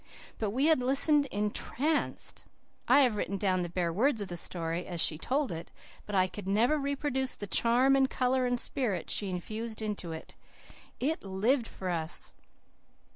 But we had listened entranced. I have written down the bare words of the story, as she told it; but I can never reproduce the charm and colour and spirit she infused into it. It LIVED for us.